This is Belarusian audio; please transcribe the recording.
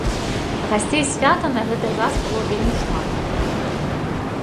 Гасцей свята на гэты раз было вельмі шмат.